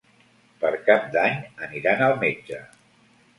Per Cap d'Any aniran al metge.